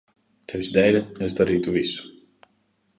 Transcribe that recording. Tevis dēļ es darītu visu.